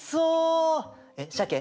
シャケ？